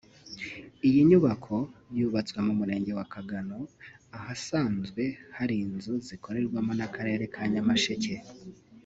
Iyi nyubako yubatswe mu murenge wa Kagano ahasanzwe hari inzu zikorerwamo n’ akarere ka Nyamasheke